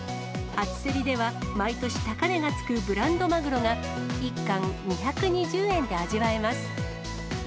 初競りでは毎年高値がつくブランドマグロが、１貫２２０円で味わえます。